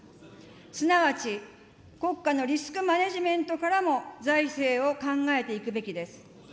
すなわち、国家のリスクマネジメントからも財政を考えていくべきです。